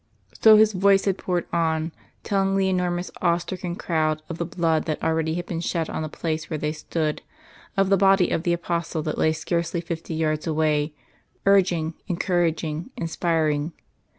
So his voice had poured on, telling the enormous awe stricken crowd of the blood that already had been shed on the place where they stood, of the body of the Apostle that lay scarcely fifty yards away, urging, encouraging, inspiring.